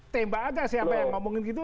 tembak aja siapa yang ngomongin gitu